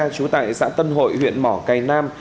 chú tại xã tân hội huyện mỏ cày nam